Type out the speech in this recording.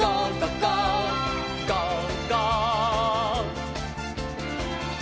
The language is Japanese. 「ゴーゴー！」